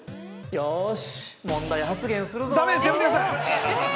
よし、問題発言するぞ！